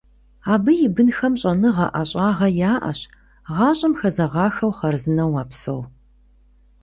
Абы и бынхэм щӀэныгъэ, ӀэщӀагъэ яӀэщ, гъащӀэм хэзэгъахэу хъарзынэу мэпсэу.